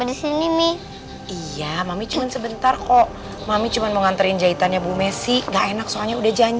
di sini miyawami c longest bentar kok mami cuma mau nganterin jahitannya address gake n